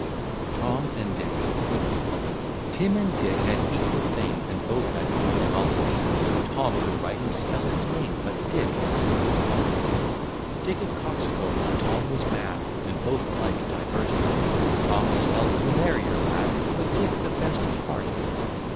TOM AND DICK Tim and Dick had equal fame, And both had equal knowledge; Tom could write and spell his name, But Dick had seen the college. Dick a coxcomb, Tom was mad, And both alike diverting; Tom was held the merrier lad, But Dick the best at farting.